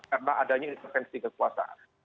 karena adanya intervensi kekuasaan